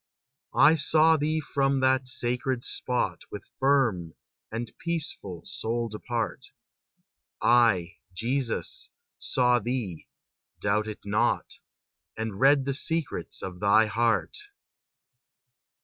I saw thee from that sacred spot With firm and peaceful soul depart; I. Jesus, saw thee, — doubt it not, — And read the secrets of thy heart!